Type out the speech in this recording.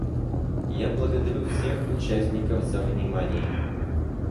Я благодарю всех участников за внимание.